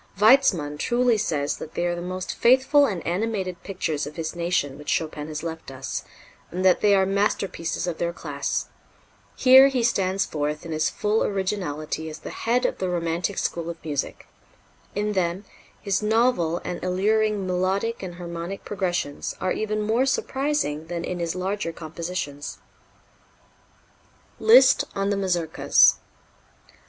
Weitzmann truly says that they are the most faithful and animated pictures of his nation which Chopin has left us, and that they are masterpieces of their class: "Here he stands forth in his full originality as the head of the romantic school of music; in them his novel and alluring melodic and harmonic progressions are even more surprising than in his larger compositions." Liszt on the Mazurkas.